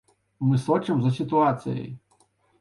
Мы сочым за сітуацыяй.